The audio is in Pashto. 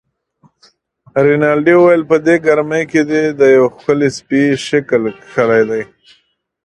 رینالډي: په دې ګرمۍ کې دې د یوه ښکلي سپي شکل کښلی دی.